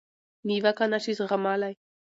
نیوکه نشي زغملای.